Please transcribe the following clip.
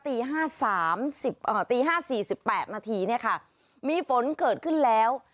ตีห้าสามสิบอ่อตีห้าสี่สิบแปดนาทีเนี้ยค่ะมีฝนเกิดขึ้นแล้ว